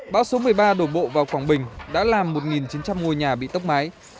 bão số một mươi ba đổ bộ vào quảng bình đã làm một chín trăm linh ngôi nhà bị tốc mái